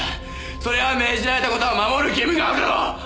そりゃ命じられた事は守る義務があるだろう。